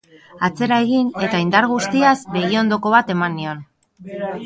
Atzera egin eta indar guztiaz begiondoko bat eman nion.